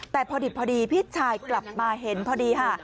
แต่พอดีพี่ชายกลับมาเห็นพอดี